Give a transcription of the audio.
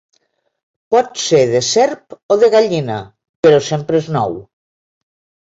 Pot ser de serp o de gallina, però sempre és nou.